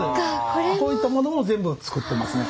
こういったものも全部作ってますね。